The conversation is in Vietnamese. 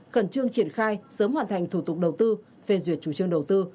khẩn trương triển khai sớm hoàn thành thủ tục đầu tư phê duyệt chủ trương đầu tư